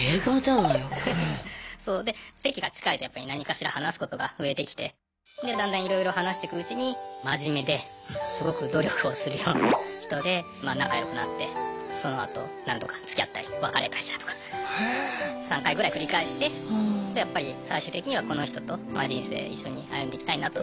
そうで席が近いとやっぱり何かしら話すことが増えてきてでだんだんいろいろ話してくうちに真面目ですごく努力をするような人でまあ仲良くなってそのあと何度かつきあったり別れたりだとか３回ぐらい繰り返してでやっぱり最終的にはこの人と人生一緒に歩んでいきたいなと。